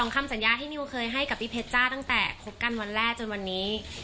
คำสัญญาที่นิวเคยให้กับพี่เพชรจ้าตั้งแต่คบกันวันแรกจนวันนี้